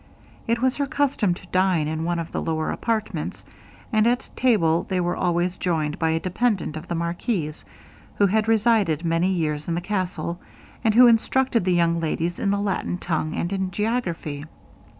It was their custom to dine in one of the lower apartments, and at table they were always joined by a dependant of the marquis's, who had resided many years in the castle, and who instructed the young ladies in the Latin tongue, and in geography.